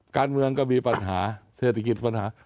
การเมืองก็มีปัญหาเศรษฐกิจปัญหา